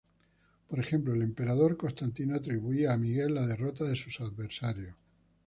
Por ejemplo, el emperador Constantino atribuía a Miguel la derrota de sus adversarios.